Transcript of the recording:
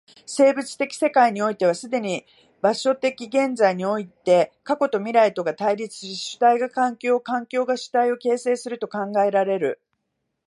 生物的世界においては既に場所的現在において過去と未来とが対立し、主体が環境を、環境が主体を形成すると考えられる。